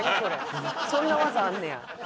そんな技あんねや。